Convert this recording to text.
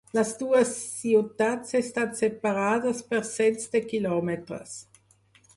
Les dues ciutats estan separades per cents de quilòmetres.